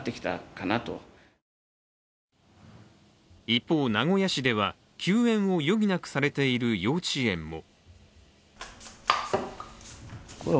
一方、名古屋市では休園を余儀なくされている幼稚園も。